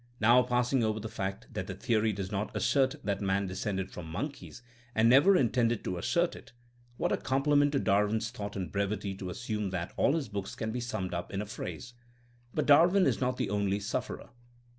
Now passing over the fact that the theory does not assert that man descended from monkeys and never intended to assert it ;— ^what a compliment to Darwin 's thought and brevity to assume that all his books can be summed up in a phrase! But Darwin is not the only sufferer.